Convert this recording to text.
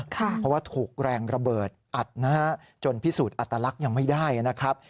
เพราะว่าถูกแรงระเบิดอัดนะฮะจนพิสูจน์อัตลักษณ์ยังไม่ได้นะครับ